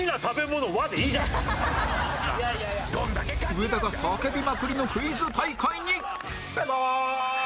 上田が叫びまくりのクイズ大会に！